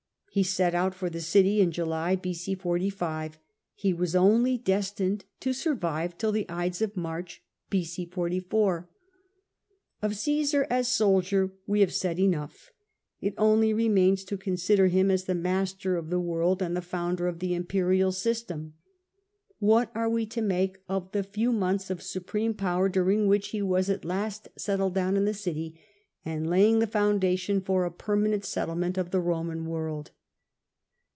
He set out for the city in July, B.c. 45; he was only destined to survive till the Ides of Mai^ch, b.c. 44. Of Caesar as soldier we have said enough : it only remains to consider him as the master of the world and the founder of the Imperial system. What are we to make of the few months of supreme power, during which he was at last settled down in the city,^ and laying the fouiidation for a permanent settlement of the Eoman world